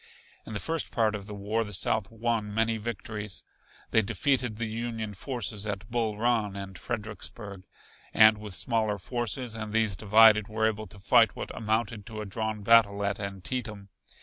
In the first part of the war the South won many victories. They defeated the Union forces at Bull Run and Fredericksburg, and with smaller forces and these divided were able to fight what amounted to a drawn battle at Antietam.